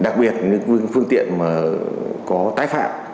đặc biệt những phương tiện có tái phạm